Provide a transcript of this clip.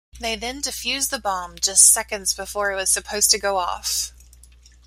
They then defuse the bomb just seconds before it was supposed to go off.